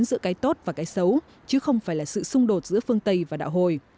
giữa cái tốt và cái xấu chứ không phải là sự xung đột giữa phương tây và đạo hồi